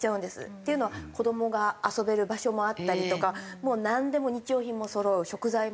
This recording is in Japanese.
っていうのは子どもが遊べる場所もあったりとかもうなんでも日用品もそろう食材もそろう。